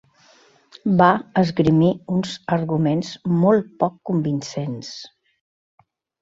Va esgrimir uns arguments molt poc convincents.